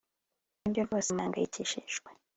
Nibyo rwose mpangayikishijwe